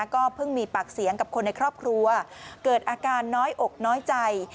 ก็เพิ่งมีปากเสียงกับคนในครอบครัวเกิดอาการน้อยอกน้อยใจ